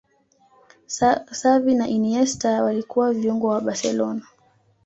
Xavi na Iniesta walikuwa viungo wa barcelona